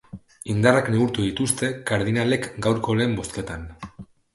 Indarrak neurtu dituzte kardinalek gaurko lehen bozketan.